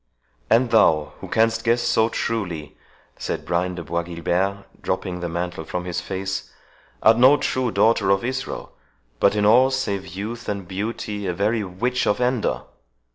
"And thou, who canst guess so truly," said Brian de Bois Guilbert, dropping the mantle from his face, "art no true daughter of Israel, but in all, save youth and beauty, a very witch of Endor.